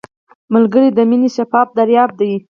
ملګری د مینې شفاف دریاب دی